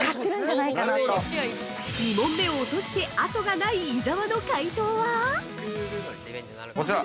◆２問目を落として後がない伊沢の解答は？